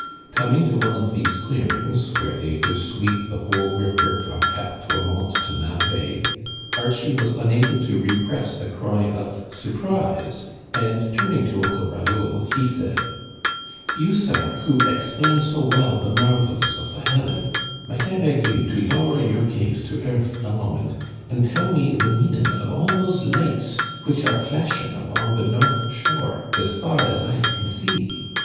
Coming to one of. these clearings, where they could sweep the whole river from Cape Tourmente to Malbaie, Archie was unable to repress a cry of surprise, and, turning to Uncle Raoul, he said :" You, sir who explain so well the marvels of the heaven, might I beg you to lower your gaze to earth a moment and tell me the meaning of all those lights which are flashing along the north shore as far as eye can see